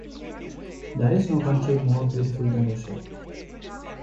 There is no country more beautiful than Russia!